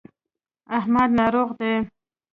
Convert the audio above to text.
احمد ناروغ دی.